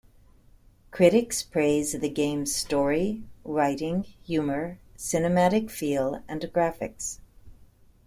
Critics praised the game's story, writing, humour, cinematic feel, and graphics.